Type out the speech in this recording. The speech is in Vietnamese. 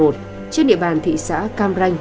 trên địa bàn thị xã cam ranh